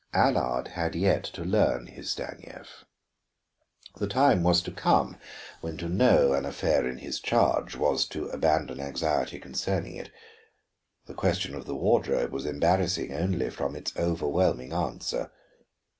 Allard had yet to learn his Stanief; the time was to come, when to know an affair in his charge was to abandon anxiety concerning it. The question of the wardrobe was embarrassing only from its overwhelming answer.